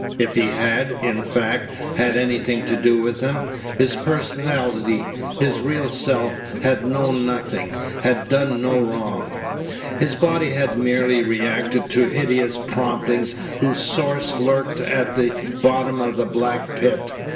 If he had, in fact, had anything to do with them, his personality, his real self, had known nothing, had done no wrong. His body had merely reacted to hideous promptings whose source lurked at the bottom of the black pit.